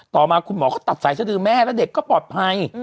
ต่อมาคุณหมอก็ตัดสายสดือแม่แล้วเด็กก็ปลอดภัย